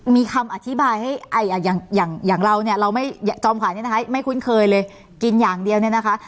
มีคำอธิบายให้อย่างเราเนี่ยเราไม่จอมขวานนี้นะคะไม่คุ้นเคยเลยกินอย่างเดียวเนี่ยนะคะ